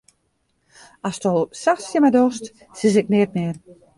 Asto sa tsjin my dochst, sis ik neat mear.